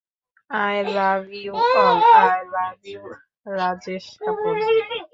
I love you all, I love you Rajesh Kapoor.